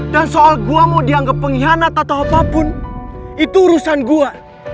dan soal gue mau dianggap pengkhianat atau apapun itu urusan gue